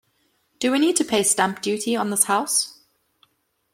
Do we need to pay stamp duty on this house?